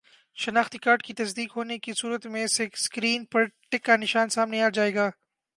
شناختی کارڈ کی تصدیق ہونے کی صورت میں سکرین پر ٹک کا نشان سامنے آ جائے گا